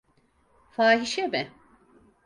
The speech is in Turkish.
Fahişe mi?